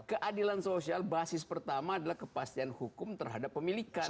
keadilan sosial basis pertama adalah kepastian hukum terhadap pemilikan